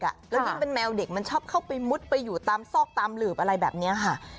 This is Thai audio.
แล้วยิ่งเป็นแมวเด็กมันชอบเข้าไปมุดไปอยู่ตามซอกตามหลืบอะไรแบบนี้ค่ะ